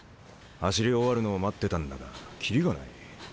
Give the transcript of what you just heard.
走り終わるのを待ってたんだが切りがないね。